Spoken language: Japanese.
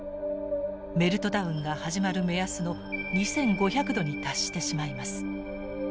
メルトダウンが始まる目安の２，５００℃に達してしまいます。